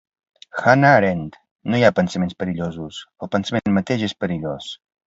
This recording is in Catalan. Hannah Arendt: no hi ha pensaments perillosos; el pensament mateix és perillós.